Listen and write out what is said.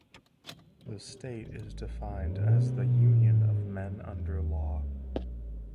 The state is defined as the union of men under law.